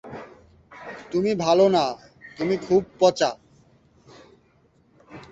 গানগুলোর সুরকার ছিলেন রাহুল দেব বর্মণ এবং গানের কথা লিখেছিলেন গুলজার।